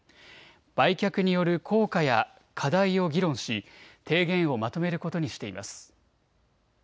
売却による効果や課題を議論し提言をまとめることにしています。